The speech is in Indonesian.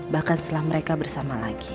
bahkan setelah mereka bersama lagi